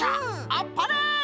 あっぱれ！